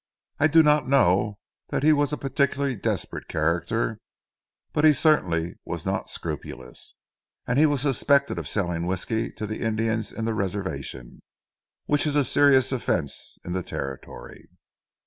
"I do not know that he was a particularly desperate character, but he certainly was not scrupulous, and he was suspected of selling whiskey to the Indians in the reservation, which is a serious offence in the Territory."